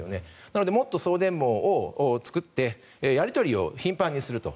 なのでもっと送電網を作ってやり取りを頻繁にすると。